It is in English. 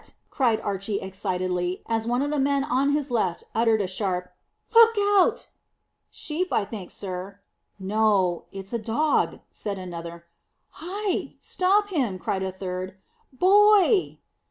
cried Archy excitedly, as one of the men on his left uttered a sharp, "Look out!" "Sheep, I think, sir." "No, it was a dog," said another. "Hi! Stop him!" cried a third. "Boy!"